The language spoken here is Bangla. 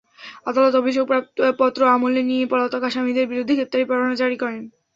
আদালত অভিযোগপত্র আমলে নিয়ে পলাতক আসামিদের বিরুদ্ধে গ্রেপ্তারি পরোয়ানা জারি করেন।